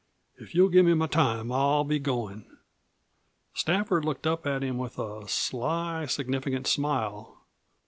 If you'll give me my time I'll be goin'." Stafford looked up at him with a sly, significant smile.